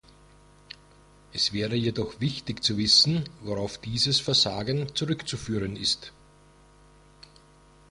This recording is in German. Es wäre jedoch wichtig zu wissen, worauf dieses Versagen zurückzuführen ist.